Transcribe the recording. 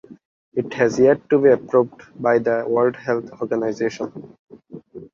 It has yet to be approved by the World Health Organization.